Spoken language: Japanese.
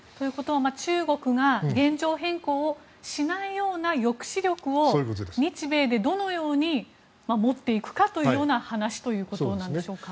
中国が現状変更をしないような抑止力を日米でどのように持っていくかというような話ということなんでしょうか。